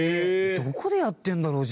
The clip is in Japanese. どこでやってるんだろう？じゃあ。